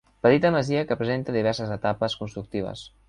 Petita masia que presenta diverses etapes constructives.